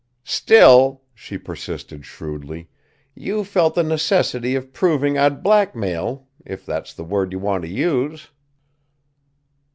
"Still," she persisted shrewdly, "you felt the necessity of proving I'd blackmail if that's the word you want to use."